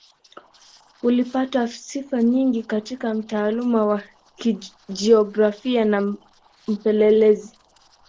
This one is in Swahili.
Alipata sifa nyingi kama mtaalamu wa jiografia na mpelelezi.